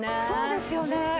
そうですよね。